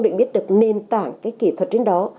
mình biết được nền tảng cái kỹ thuật trên đó